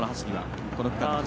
この区間。